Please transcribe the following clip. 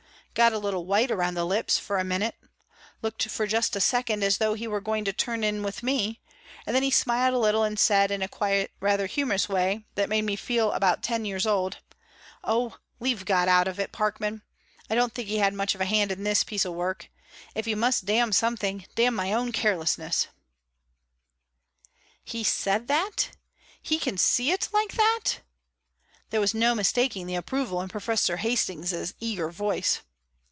Got a little white around the lips for a minute, looked for just a second as though he were going to turn in with me, and then he smiled a little and said in a quiet, rather humorous way that made me feel about ten years old: 'Oh, leave God out of it, Parkman. I don't think he had much of a hand in this piece of work. If you must damn something, damn my own carelessness.'" "He said that? He can see it like that?" there was no mistaking the approval in Professor Hastings' eager voice.